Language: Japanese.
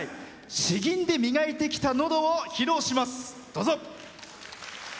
詩吟で磨いてきたのどを披露します。